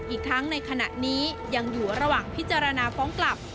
อีกทั้งในขณะนี้ยังอยู่ระหว่างพิจารณาฟ้องกลับ